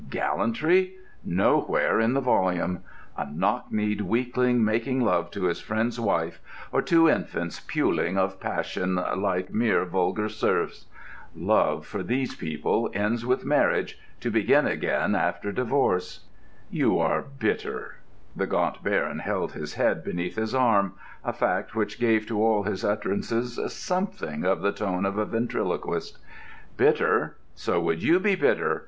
Gallantry? Nowhere in the volume. A knock kneed weakling making love to his friend's wife, or two infants puling of passion like mere vulgar serfs.... Love, for these people, ends with Marriage, to begin again after Divorce." [Illustration: "'Do a cake walk, now!' 'Encore!'" (page 153).] "You are bitter." The Gaunt Baron held his head beneath his arm—a fact which gave to all his utterances something of the tone of a ventriloquist. "Bitter! So would you be bitter!